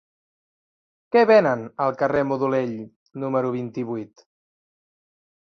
Què venen al carrer de Modolell número vint-i-vuit?